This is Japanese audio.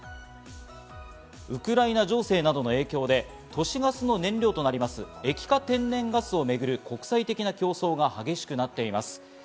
ウクライナ情勢などの影響で都市ガスの燃料となります液化天然ガスをめぐる国際的な競争が激しくなっています。